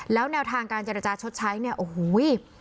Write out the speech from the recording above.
แล้วแนวทางการเจรจาชดใช้เนี่ยโอ้โห